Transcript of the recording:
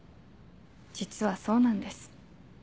実はそうなんです。